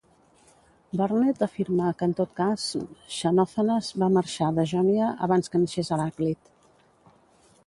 Burnet afirma que en tot cas ... Xenòfanes va marxar de Jònia abans que naixés Heràclit.